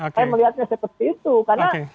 saya melihatnya seperti itu karena